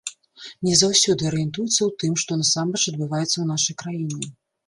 Не заўсёды арыентуецца ў тым, што насамрэч адбываецца ў нашай краіне.